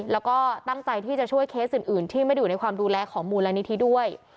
แล้วก็ตั้งใจที่จะช่วยเคสอื่นที่ไม่ได้อยู่ในความดูแลของมูลนิธิด้วย